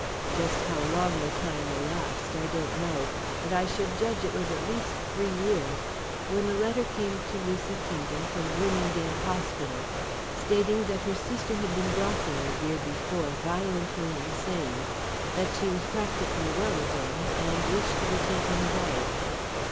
Just how long a time elapsed I don't know, but I should judge it was at least three years, when a letter came to Lucy Kingdon from Bloomingdale hospital, stating that her sister had been brought there a year before, violently insane, that she was practically well again and wished to be taken away.